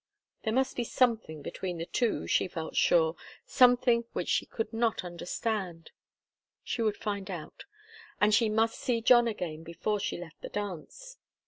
There must be something between the two, she felt sure, something which she could not understand. She would find out. And she must see John again, before she left the dance.